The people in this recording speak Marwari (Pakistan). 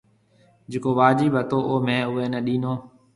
جڪو واجب هتو او ميه اُوئي نَي ڏينو۔